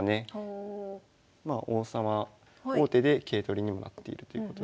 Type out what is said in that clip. まあ王様王手で桂取りにもなっているということで。